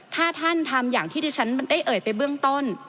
ถ้าท่านทำอย่างที่ที่ฉันได้เอ่ยไปเบื้องต้น